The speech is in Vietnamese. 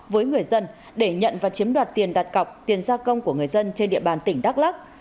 với người dân để nhận và chiếm đoạt tiền đặt cọc tiền gia công của người dân trên địa bàn tỉnh đắk lắc